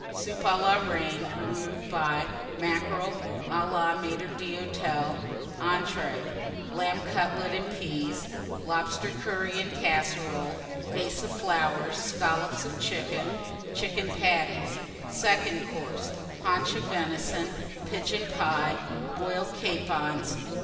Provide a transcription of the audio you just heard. Soup à la Reine, removed by Mackerel à la Maitre d'Hôtel. Entrées Lamb Cutlets and Peas. Lobster Curry Vase of Scollops of en Casserole. Flowers. Chickens. Chicken Patties. Second Course. Haunch of Venison. Pigeon Pie. Boiled Capons.